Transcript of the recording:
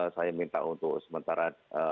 saya minta untuk sementara